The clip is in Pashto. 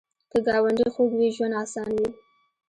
که ګاونډي خوږ وي، ژوند اسان وي